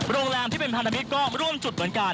โรงแรมที่เป็นพันธมิตรก็ร่วมจุดเหมือนกัน